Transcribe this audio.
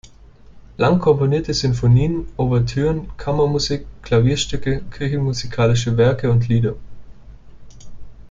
Lang komponierte Sinfonien, Ouvertüren, Kammermusik, Klavierstücke, kirchenmusikalische Werke und Lieder.